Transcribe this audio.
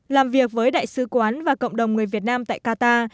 làm việc với đại sứ quán và cộng đồng người việt nam tại qatar